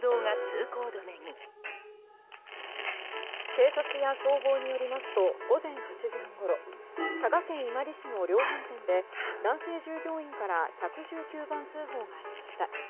警察や消防によりますと午前８時半ごろ佐賀県伊万里市の量販店で男性従業員から１１９番通報がありました。